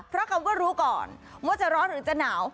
เพราะคำว่ารู้ก่อนว่าจะร้อนหรือจะหนาว